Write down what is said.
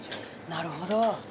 なるほど。